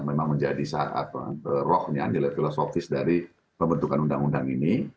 memang menjadi saat rohnya nilai filosofis dari pembentukan undang undang ini